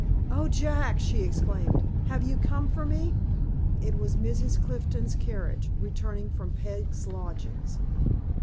"O Jack!" she exclaimed; "have you come for me?" It was Mrs. Clifton's carriage, returning from Peg's lodgings.